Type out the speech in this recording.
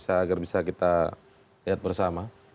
agar bisa kita lihat bersama